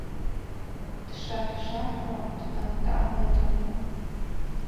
Дшаҳәшаҳәуа, дтамтамуа дыҟан.